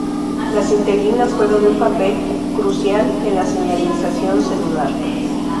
Las integrinas juegan un papel crucial en la señalización celular.